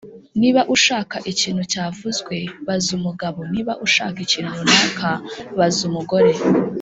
niba ushaka ikintu cyavuzwe, baza umugabo; niba ushaka ikintu runaka, baza umugore.